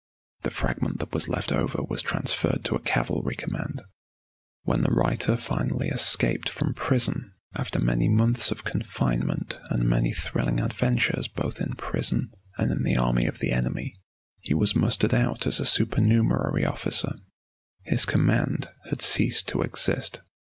The fragment that was left over was transferred to a cavalry command. When the writer finally escaped from prison, after many months of confinement and many thrilling adventures both in prison and in the army of the enemy, he was mustered out as a "supernumerary officer." His command had ceased to exist.